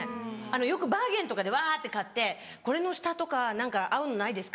よくバーゲンとかでわって買って「これの下とか何か合うのないですか？」